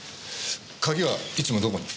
鍵はいつもどこに？